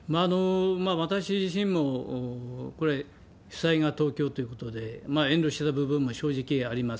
私自身もこれ、主催が東京ということで、遠慮してた部分も正直あります。